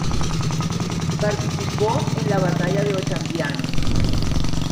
Participó en la batalla de Ochandiano.